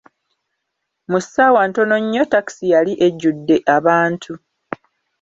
Mu ssaawa ntono nnyo takisi yali ejjudde abantu!